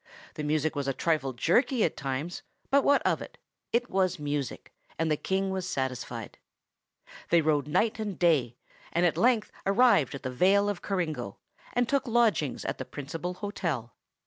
The music was a trifle jerky at times; but what of that? It was music, and the King was satisfied. They rode night and day, and at length arrived at the Vale of Coringo, and took lodgings at the principal hotel.